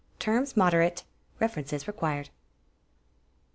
Terms moderate. References required.